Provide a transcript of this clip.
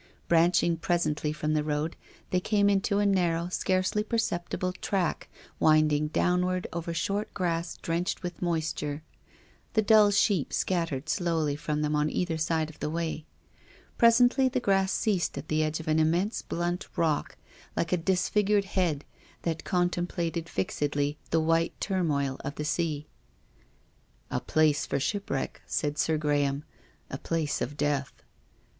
Branching presently from the road they came into a narrow, scarcely perceptible, track, winding downward over short grass drenched with moisture. The dull sheep scattered slowly from them on either side of the way. Presently the grass ceased at the edge of an immense blunt rock, like a disfigured head, that contem plated fixedly the white turmoil of the sea. " A place for shipwreck," said Sir Graham. " A place of death."